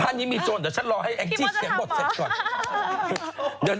ภาดนี้มีโจรเดี๋ยวฉันรอให้แองจิเขียนบทเสร็จก่อนพี่มดจะทำเหรอ